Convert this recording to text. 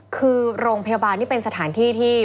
คือโรงพยาบาลนี่เป็นสถานที่ที่